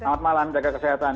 selamat malam jaga kesehatan